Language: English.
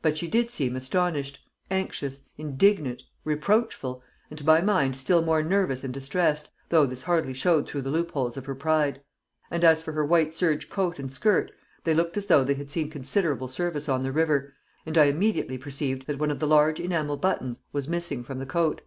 But she did seem astonished, anxious, indignant, reproachful, and to my mind still more nervous and distressed, though this hardly showed through the loopholes of her pride. And as for her white serge coat and skirt, they looked as though they had seen considerable service on the river, and I immediately perceived that one of the large enamel buttons was missing from the coat.